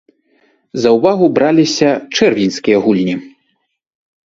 За ўвагу браліся чэрвеньскія гульні.